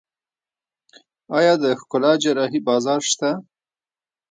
آیا د ښکلا جراحي بازار شته؟